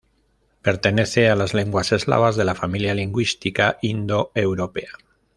Pertenece a las lenguas eslavas de la familia lingüística indo-europea.